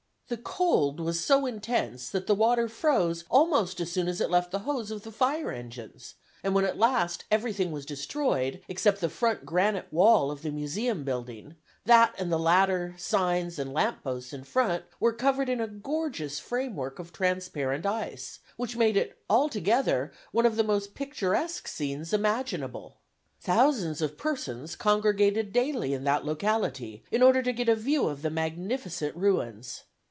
The cold was so intense that the water froze almost as soon as it left the hose of the fire engines; and when at last everything was destroyed, except the front granite wall of the Museum building, that and the ladder, signs, and lamp posts in front, were covered in a gorgeous frame work of transparent ice, which made it altogether one of the most picturesque scenes imaginable. Thousands of persons congregated daily in that locality in order to get a view of the magnificent ruins.